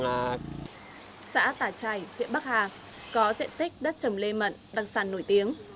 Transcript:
xã tà trải huyện bắc hà có diện tích đất trầm lê mận đặc sản nổi tiếng